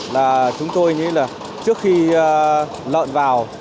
là chúng tôi như là trước khi lợn vào